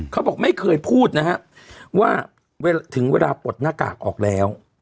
เขาบอกไม่เคยพูดนะฮะว่าถึงเวลาปลดหน้ากากออกแล้ว